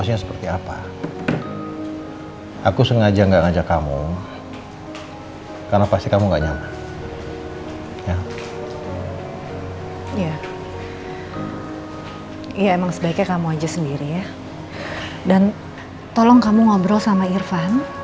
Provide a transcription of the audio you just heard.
sampai jumpa di video selanjutnya